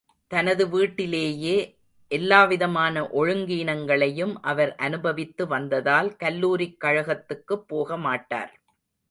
தனது வீட்டிலேயே எல்லாவிதமான ஒழுங்கீனங்களையும் அவர் அனுபவித்து வந்ததால், கல்லூரிக் கழகத்துக்குப் போக மாட்டார்.